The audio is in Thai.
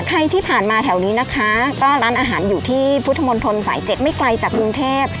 ใครที่ผ่านมาแถวนี้นะคะก็ร้านอาหารอยู่ที่พุทธมนตรสาย๗ไม่ไกลจากกรุงเทพ